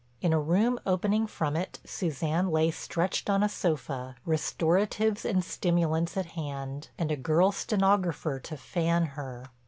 In a room opening from it Suzanne lay stretched on a sofa, restoratives and stimulants at hand, and a girl stenographer to fan her.